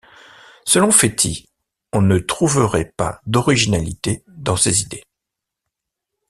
Selon Fétis, on ne trouverait pas d'originalité dans ses idées.